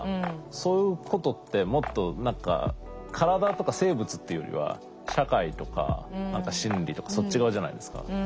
そういうことってもっと何か体とか生物っていうよりは社会とか心理とかそっち側じゃないですか。